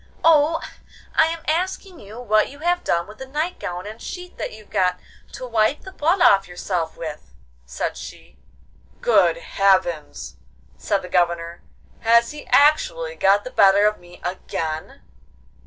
'Oh, I am asking you what you have done with the night gown and sheet that you got to wipe the blood off yourself with,' said she. 'Good heavens!' said the Governor, 'has he actually got the better of me again?